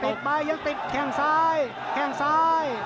ไปยังติดแข้งซ้ายแข้งซ้าย